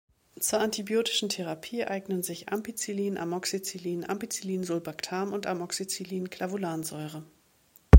Zur antibiotischen Therapie eignen sich Ampicillin, Amoxicillin, Ampicillin-Sulbactam und Amoxicillin-Clavulansäure.